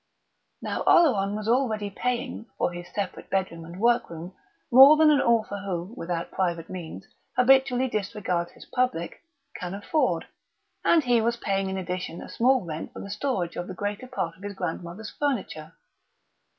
Now Oleron was already paying, for his separate bedroom and workroom, more than an author who, without private means, habitually disregards his public, can afford; and he was paying in addition a small rent for the storage of the greater part of his grandmother's furniture.